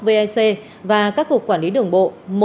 vic và các cục quản lý đường bộ